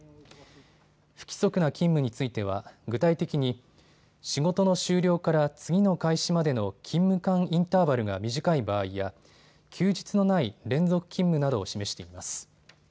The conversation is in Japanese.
不規則な勤務については具体的に仕事の終了から次の開始までの勤務間インターバルが短い場合や休日のない連続勤務などを示しています。